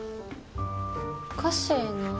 おかしいな。